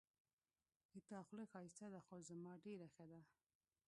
د تا خوله ښایسته ده خو زما ډېره ښه ده